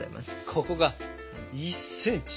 ここが１ｃｍ。